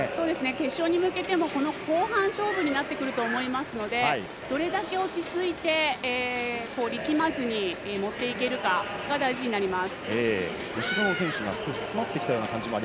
決勝に向けても後半勝負になってくると思いますのでどれだけ落ち着いて力まずに乗っていけるかが大事になります。